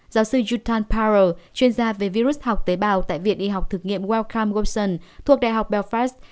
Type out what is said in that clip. giáo sư yutan paro chuyên gia về virus học tế bào tại viện y học thực nghiệm wellcome wilson thuộc đại học belfast